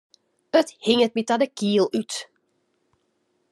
It hinget my ta de kiel út.